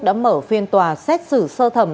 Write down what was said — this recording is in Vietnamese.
đã mở phiên tòa xét xử sơ thẩm